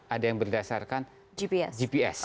ada yang berdasarkan gps